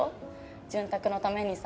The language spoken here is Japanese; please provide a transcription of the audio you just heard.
「潤沢」のためにさ。